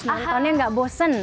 nontonnya gak bosen